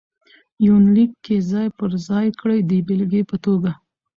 يونليک کې ځاى په ځاى کړي د بېلګې په توګه: